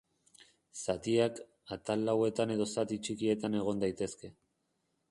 Zatiak, atal lauetan edo zati txikietan egon daitezke.